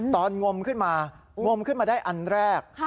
งมขึ้นมางมขึ้นมาได้อันแรก